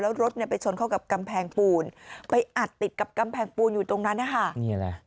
แล้วรถไปชนเข้ากับกำแพงปูนไปอัดติดกับกำแพงปูนอยู่ตรงนั้น